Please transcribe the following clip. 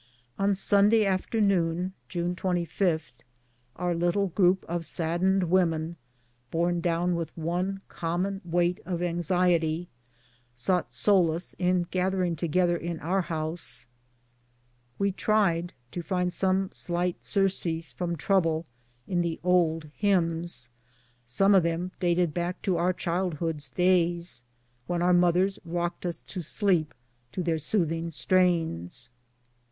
On Sunday afternoon, the 25th of June, our little group of saddened women, borne down with one com 268 BOOTS AND SADDLES. mon weight of anxiety, sought solace in gathering to gether in onr house. We tried to find some slight sur cease from trouble in the old hymns: some of them dated back to our childhood's days, when our mothers rocked us to sleep to their soothing strains.